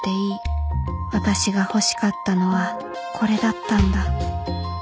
私が欲しかったのはこれだったんだ。